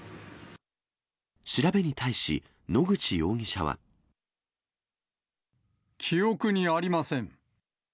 調べに対し、記憶にありません。